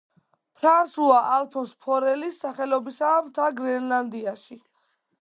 ფრანსუა ალფონს ფორელის სახელობისაა მთა გრენლანდიაში.